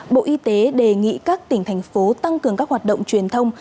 bộ y tế đề nghị các tỉnh thành phố tăng cường các hoạt động truyền thông